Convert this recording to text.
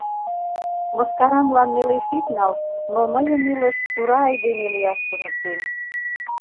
Мыскарамлан нелеш ит нал, но мыйым илыш тура айдеме лияш туныктен.